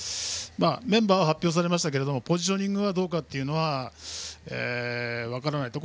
メンバーは発表されましたがポジショニングがどうかというのは分からないです。